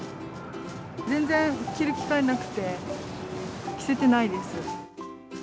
全然着る機会なくて、着せてないです。